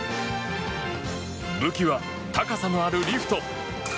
武器は高さのあるリフト。